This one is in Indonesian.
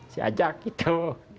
saya ajak gitu